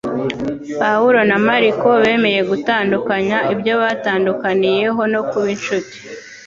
Pawulo na Mariko bemeye gutandukanya ibyo batandukaniyeho no kuba inshuti